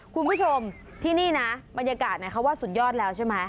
คุณผู้ชมที่นี่นะบรรยากาศเขาว่าสุดยอดแล้วใช่ไหม